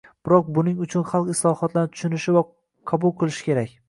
Biroq buning uchun xalq islohotlarni tushunishi va qabul qilishi kerak.